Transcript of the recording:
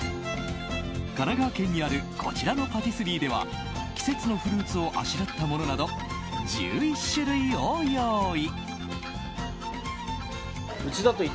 神奈川県にあるこちらのパティスリーでは季節のフルーツをあしらったものなど１１種類を用意。